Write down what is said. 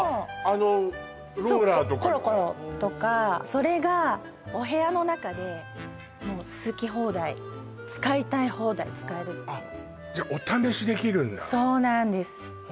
あのローラーとかのコロコロとかそれがお部屋の中で好き放題使いたい放題使えるっていうお試しできるんだほーっそうなんです